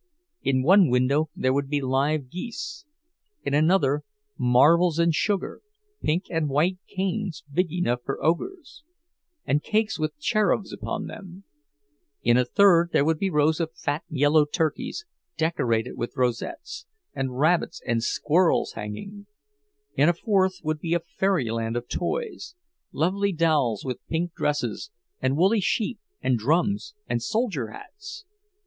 In one window there would be live geese, in another marvels in sugar—pink and white canes big enough for ogres, and cakes with cherubs upon them; in a third there would be rows of fat yellow turkeys, decorated with rosettes, and rabbits and squirrels hanging; in a fourth would be a fairyland of toys—lovely dolls with pink dresses, and woolly sheep and drums and soldier hats.